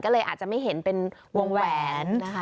ก็เลยอาจจะไม่เห็นเป็นวงแหวนนะคะ